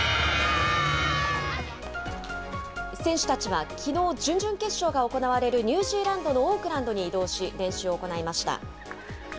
選手たちはきのう、準々決勝が行われるニュージーランドのオークランドに移動し、練習を行いました。